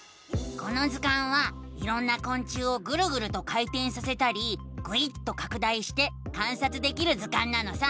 この図鑑はいろんなこん虫をぐるぐると回てんさせたりぐいっとかく大して観察できる図鑑なのさ！